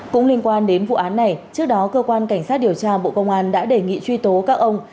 cũng liên quan đến vụ án này trước đó cơ quan cảnh sát điều tra bộ công an đã đề nghị truy tố các ông